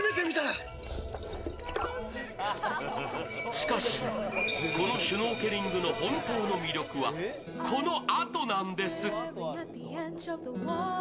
しかし、このシュノーケリングの本当の魅力はこのあとなんです。